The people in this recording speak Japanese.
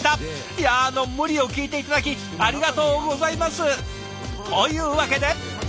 いやあの無理を聞いて頂きありがとうございます！というわけで。